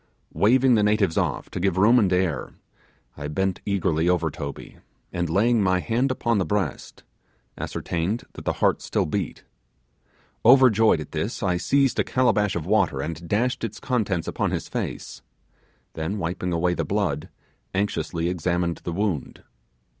Waving the natives off to give room and air, I bent eagerly over Toby, and, laying my hand upon the breast, ascertained that the heart still beat. Overjoyed at this, I seized a calabash of water, and dashed its contents upon his face, then wiping away the blood, anxiously examined the wound.